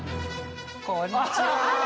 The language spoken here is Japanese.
こんにちは。